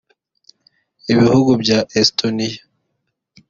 Ibihugu bya Estonia